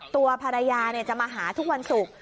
ตัวภรรยาจะมาหาทุกวันศุกร์